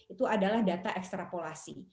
itu adalah data ekstrapolasi